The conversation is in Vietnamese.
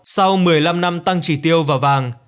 sau một mươi năm năm tăng trị tiêu vào vàng